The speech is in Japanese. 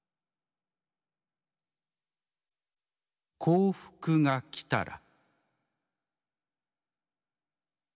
「『幸福』がきたら」。